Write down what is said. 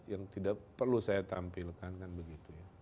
yang tidak perlu saya tampilkan kan begitu ya